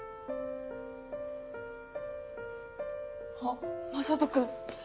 あっ雅人君。